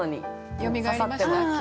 よみがえりました？